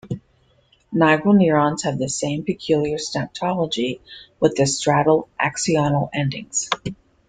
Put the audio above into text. Nigral neurons have the same peculiar synaptology with the striatal axonal endings.